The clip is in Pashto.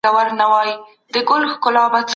علم د عقل په مرسته پرمختګ کوي.